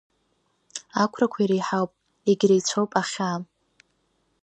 Ақәрақәа иреиҳауп, егьреицәоуп ахьаа.